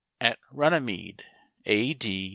AT RUNNYMEDE, A. D.